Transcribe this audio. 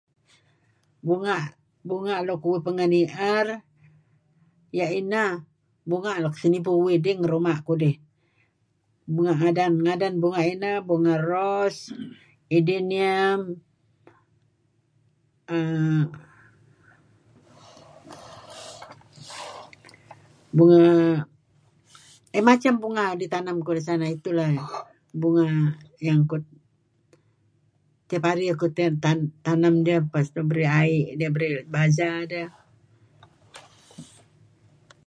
bu'ngah bu'ngah luk uih pangah niar iyah inah, bu'ngah luk sanibuh uih dih ngi ruma kudih bun'gah, nga, ngadan ,ngadan bu'ngah inah bu'ngah rose...idih niah...[aah] [aah]bu'ngah...[aah] macam bunga ditanam ku disana ...itulah[um]bunga.. yang ku kembali ku tanam diah, lepas itu ku beri dia air, beri basja dia[um]......